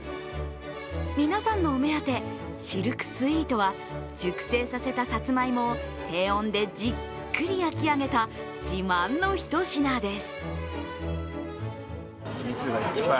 皆さんのお目当て、シルクスイートは、熟成させたさつまいもを低温でじっくり焼き上げた自慢のひと品です。